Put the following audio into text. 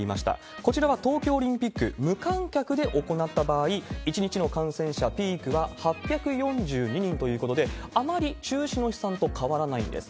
こちらは東京オリンピック無観客で行った場合、１日の感染者、ピークは８４２人ということで、あまり中止の試算と変わらないんです。